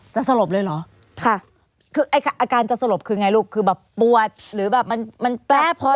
สลบเลยเหรอค่ะคือไอ้อาการจะสลบคือไงลูกคือแบบปวดหรือแบบมันมันแป๊บพอ